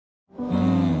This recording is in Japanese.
うん。